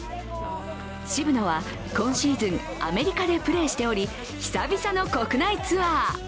渋野は今シーズン、アメリカでプレーしており久々の国内ツアー。